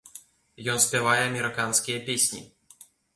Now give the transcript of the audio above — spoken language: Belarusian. Ён спявае амерыканскія песні.